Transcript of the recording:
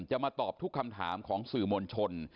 จะมาตอบทุกคำถามสื่อมณชน